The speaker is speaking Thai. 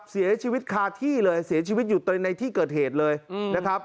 เสียชีวิตคาที่เลยเสียชีวิตอยู่ในที่เกิดเหตุเลยนะครับ